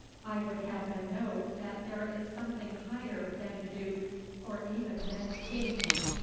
I would have them know that there is something higher than the Duke, or even than the King.